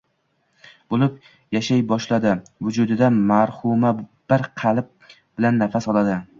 bo`lib yashay boshlaydi, vujudida marhuma bir qalb bilan nafas oladi